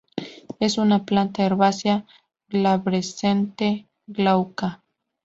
Es una planta herbácea glabrescente, glauca.